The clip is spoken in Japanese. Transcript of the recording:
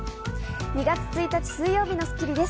２月１日、水曜日の『スッキリ』です。